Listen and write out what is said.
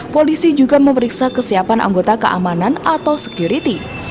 polisi juga memeriksa kesiapan anggota keamanan atau security